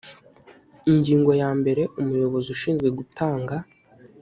ingingo ya mbere umuyobozi ushinzwe gutanga